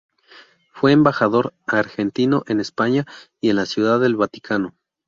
Fue embajador argentino en España y en la Ciudad del Vaticano.